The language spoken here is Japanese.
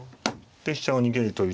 で飛車を逃げるという手も。